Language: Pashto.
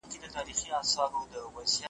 تاریخ د ملتونو هویت ساتي.